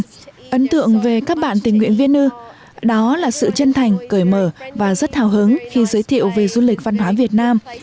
tôi cũng có thêm những thông tin về các bạn tình nguyện viên đó là sự chân thành cởi mở và rất hào hứng khi giới thiệu về du lịch văn hóa việt nam